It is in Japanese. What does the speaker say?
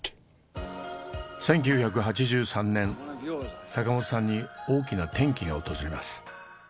１９８３年坂本さんに大きな転機が訪れます。